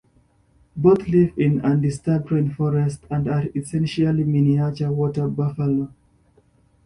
Both live in undisturbed rainforest, and are essentially miniature water buffalo.